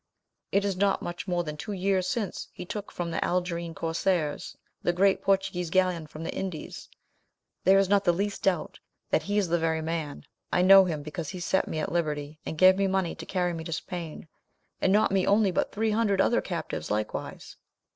It is not much more than two years since he took from the Algerine corsairs the great Portuguese galleon from the Indies. There is not the least doubt that he is the very man; I know him, because he set me at liberty, and gave me money to carry me to Spain, and not me only, but three hundred other captives likewise."